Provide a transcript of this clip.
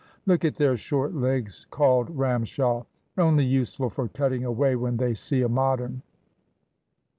"Look at their short legs," called Ramshaw; "only useful for cutting away when they see a Modern."